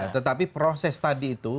tetapi proses tadi itu